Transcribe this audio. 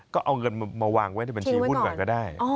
ก็เอาเงินมาวางไว้ในบัญชีหุ้นก่อนก็ได้